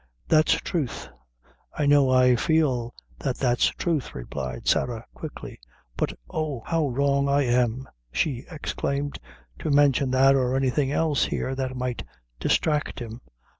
"That's truth; I know, I feel that that's truth," replied Sarah, quickly; "but oh, how wrong I am," she exclaimed, "to mention that or anything else here that might distract him!